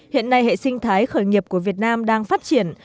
các doanh nghiệp khởi nghiệp của việt nam đang phát triển